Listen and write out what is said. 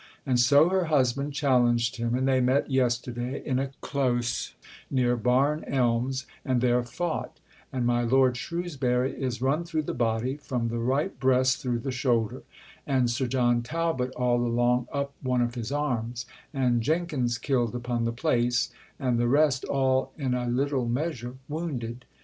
And so her husband challenged him, and they met yesterday in a close near Barne Elmes, and there fought; and my Lord Shrewsbury is run through the body, from the right breast through the shoulder; and Sir John Talbot all along up one of his armes; and Jenkins killed upon the place, and the rest all, in a little measure, wounded.